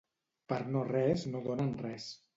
Per no res no donen res.